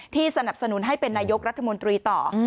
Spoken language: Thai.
สนับสนุนให้เป็นนายกรัฐมนตรีต่อ